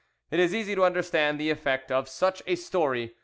It is easy to understand the effect of such a story.